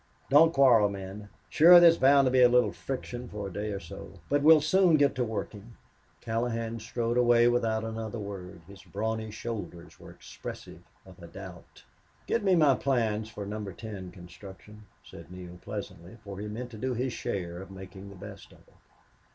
"Don't quarrel, men. Sure there's bound to be a little friction for a day or so. But we'll soon get to working." Colohan strode away without another word. His brawny shoulders were expressive of a doubt. "Get me my plans for Number Ten construction," said Neale, pleasantly, for he meant to do his share at making the best of it.